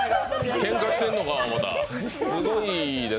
けんかしてんのか思った。